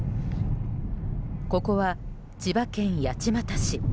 ここは千葉県八街市。